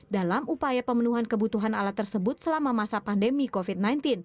dalam upaya pemenuhan kebutuhan alat tersebut selama masa pandemi covid sembilan belas